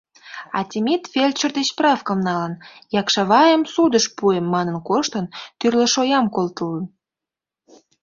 А Темит фельдшер деч справкым налын, «Якшывайым судыш пуэм» манын коштын, тӱрлӧ шоям колтылын.